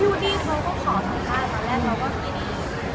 พูดเข้ารีอะไรเงี้ยแชร์แบบแบลนไทยแบบเงี้ย